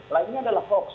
lainnya adalah hoax